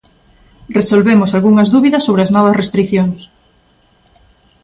Resolvemos algunhas dúbidas sobre as novas restricións.